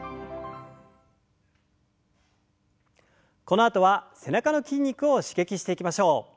このあとは背中の筋肉を刺激していきましょう。